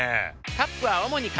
カップは主に紙。